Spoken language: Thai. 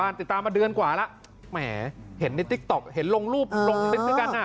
ไม่ได้จัดผมก็ไว้ใจเขาไม่คิดเขาผมก็ไม่คิดว่าจะทำ